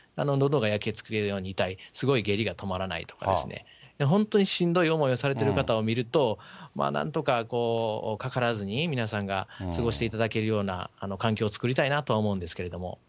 のどが焼け付けるように痛い、すごい下痢が止まらないとかですね、本当にしんどい思いをされてる方を見ると、なんとかかからずに、皆さんが過ごしていただけるような環境を作りたいなとは思うんですけれども。